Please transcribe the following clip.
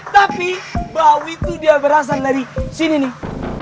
tapi bau itu dia berasal dari sini nih